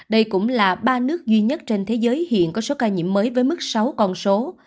đây cũng là ba nước duy nhất trên thế giới hiện có số ca nhiễm mới với mức sáu con số